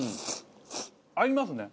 合いますね。